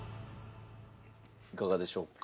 いかがでしょうか？